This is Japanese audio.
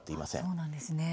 そうなんですね。